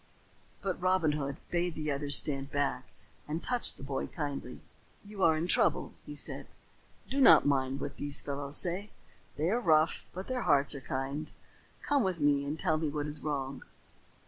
But Robin Hood bade the others stand back, and touched the boy kindly. "You are in trouble," he said. "Do not mind what these fellows say. They are rough, but their hearts are kind. Come with me and tell me what is wrong."